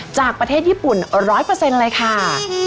จากประเทศญี่ปุ่น๑๐๐เลยค่ะ